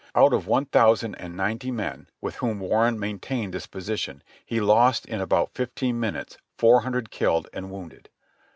Out of one thousand and ninety men with whom Warren maintained this position, he lost in about fifteen minutes four hundred killed and wounded.